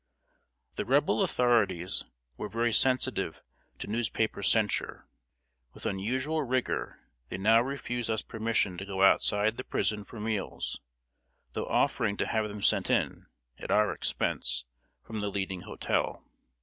] The Rebel authorities were very sensitive to newspaper censure. With unusual rigor, they now refused us permission to go outside the prison for meals, though offering to have them sent in, at our expense, from the leading hotel.